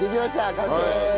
完成。